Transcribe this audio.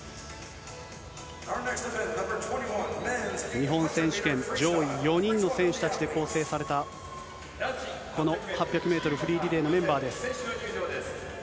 日本選手権上位４人の選手たちで構成された、この８００メートルフリーリレーのメンバーです。